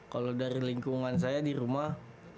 kalo dari lingkungan saya di rumah